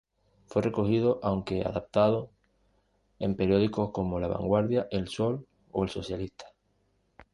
Fue recogido, aunque adaptado, en periódicos como "La Vanguardia", "El Sol" o "El Socialista".